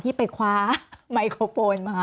ตั้งแต่เริ่มมีเรื่องแล้ว